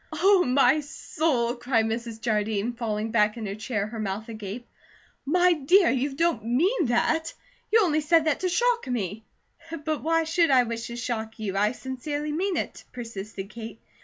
"Oh, my soul!" cried Mrs. Jardine, falling back in her chair, her mouth agape. "My dear, you don't MEAN that? You only said that to shock me." "But why should I wish to shock you? I sincerely mean it," persisted Kate.